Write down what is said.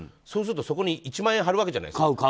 そうすると、そこに１万張るわけじゃないですか。